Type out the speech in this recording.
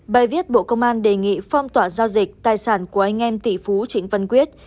bài viết bộ công an đề nghị phong tỏa giao dịch tài sản của anh em tỷ phú trịnh văn quyết